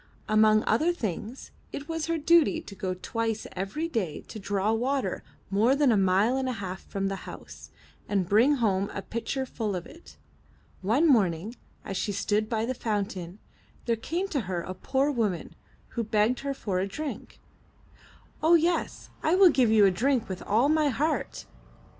Among other things, it was her duty to go twice every day to draw water more than a mile and a half from the house, and bring home a pitcher full of it. One morning as she stood by the fountain, there came to her a poor woman, who begged her for a drink. *'0h, yes, I will give you a drink with all my heart.